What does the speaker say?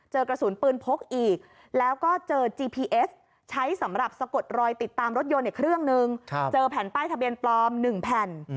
เจอแผ่นป้ายทะเบียนปลอม๑แผ่น